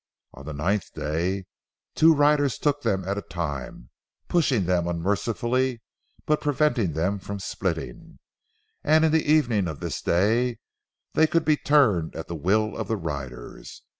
On the ninth day two riders took them at a time, pushing them unmercifully but preventing them from splitting, and in the evening of this day they could be turned at the will of the riders.